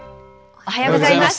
おはようございます。